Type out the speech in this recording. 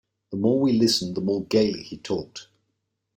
The more we listened, the more gaily he talked.